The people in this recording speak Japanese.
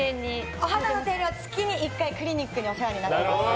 お肌の手入れは月に１回クリニックにお世話になってます。